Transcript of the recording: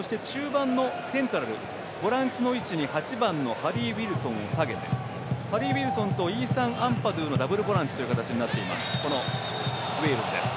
セントラル、ボランチの位置に８番のハリー・ウィルソンを下げてハリー・ウィルソンとイーサン・アンパドゥのダブルボランチという形のウェールズ。